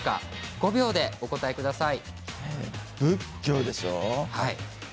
５秒でお答えください。